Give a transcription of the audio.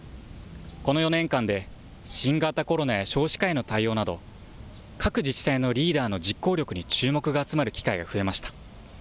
この４年間で新型コロナや少子化への対応など各自治体のリーダーの実行力に注目が集まる機会が増えました。